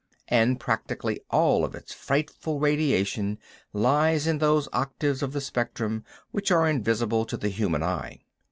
And practically all of its frightful radiation lies in those octaves of the spectrum which are invisible to the human eye.